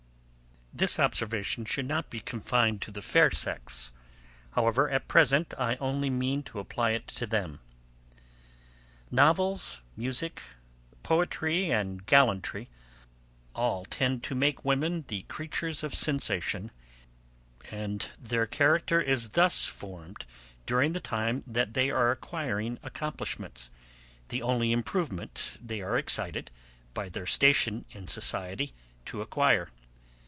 This observation should not be confined to the FAIR sex; however, at present, I only mean to apply it to them. Novels, music, poetry and gallantry, all tend to make women the creatures of sensation, and their character is thus formed during the time they are acquiring accomplishments, the only improvement they are excited, by their station in society, to acquire.